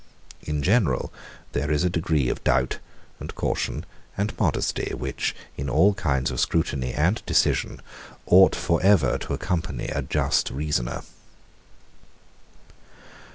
In general, there is a degree of doubt, and caution, and modesty, which, in all kinds of scrutiny and decision, ought for ever to accompany a just reasoner.